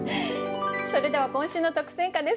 それでは今週の特選歌です。